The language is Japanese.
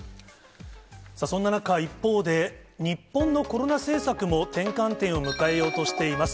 さあ、そんな中、一方で、日本のコロナ政策も転換点を迎えようとしています。